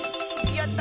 やった！